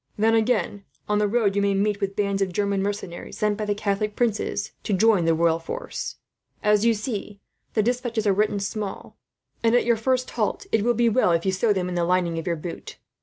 "Then again, on the road you may meet with bands of German mercenaries, sent by the Catholic princes to join the royal forces. As you see, the despatches are written small and, at your first halt, it will be well if you sew them in the lining of your boot.